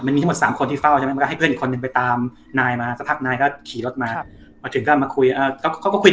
ยังยังพื้นอ่ะแกไม่ขายแต่พวกอุปกรณ์พังพังอ่ะเขาย